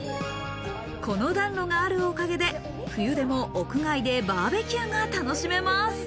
この暖炉があるおかげで、冬でも屋外でバーベキューが楽しめます。